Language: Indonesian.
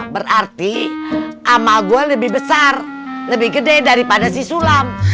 berarti amal gue lebih besar lebih gede daripada si sulam